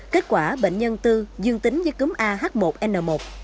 kết quả bệnh nhân tư dương tính với cúm ah một n một